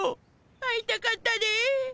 会いたかったで。